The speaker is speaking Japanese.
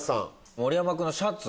森山君のシャツ。